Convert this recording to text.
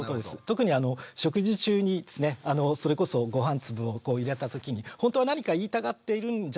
特に食事中にですねそれこそご飯粒を入れた時にほんとは何か言いたがっているんじゃないかなって。